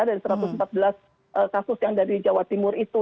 dari satu ratus empat belas kasus yang dari jawa timur itu